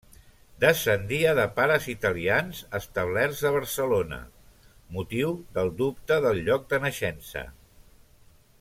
Descendia de pares italians establerts a Barcelona, motiu del dubte del lloc de naixença.